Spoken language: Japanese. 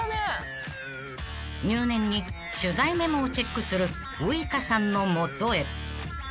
［入念に取材メモをチェックするウイカさんの元へ］